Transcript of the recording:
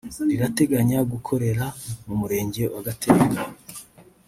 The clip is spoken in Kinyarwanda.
rirateganya gukorera mu murenge wa Gatenga